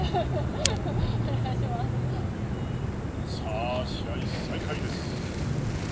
さあ試合再開です。